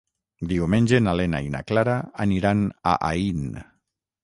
Diumenge na Lena i na Clara aniran a Aín.